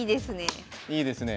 いいですね。